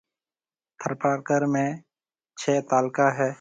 ٿرپارڪر ۾ ڇيَ تعلقہ ھيََََ